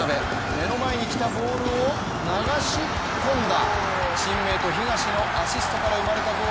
目の前に来たボールを流し込んだ。